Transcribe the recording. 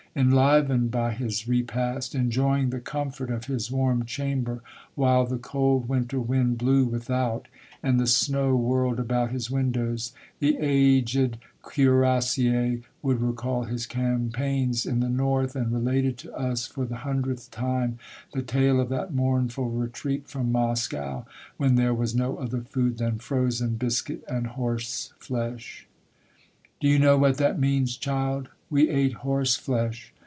Enlivened by his repast, enjoying the comfort of his warm chamber while the cold winter wind blew without, and the snow whirled about his windows, the aged cuirassier would recall his campaigns in the North and related to us for the hundredth time the tale of that mournful retreat from Moscow, when there was no other food than frozen biscuit and horse flesh. '"Do you know what that means, child? We ate horse flesh